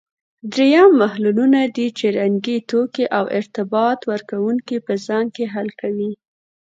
دریم محللونه دي چې رنګي توکي او ارتباط ورکوونکي په ځان کې حل کوي.